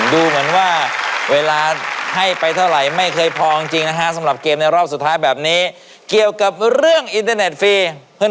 ดูเหมือนว่าเวลาให้ไปเท่าไหร่ไม่เคยพอจริงนะฮะสำหรับเกมในรอบสุดท้ายแบบนี้เกี่ยวกับเรื่องอินเทอร์เน็ตฟรี